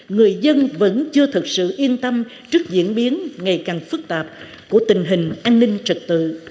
người dân vẫn chưa thật sự yên tâm trước diễn biến ngày càng phức tạp của tình hình an ninh trật tự